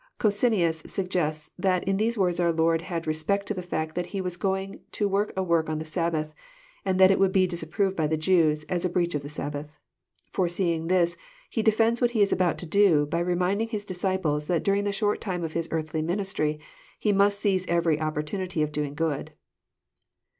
Cocceins suggests, that in these words our Lord had respect to the fact that He was going to work a work on the Sabbath, and that it would be disapproved by the Jews, as a breach of the Sabbath. Foreseeing this. He defends what He is about to do, by reminding His disciples that during the short time of His earthly ministry He must seize every opportunity of doing good.